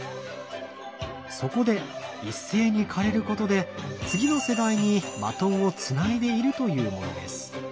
そこで一斉に枯れることで次の世代にバトンをつないでいるというものです。